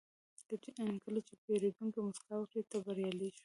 کله چې پیرودونکی موسکا وکړي، ته بریالی شوې.